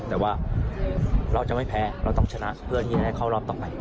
แต่ว่าเราจะไม่แพ้เราต้องชนะเพื่อที่จะได้เข้ารอบต่อไป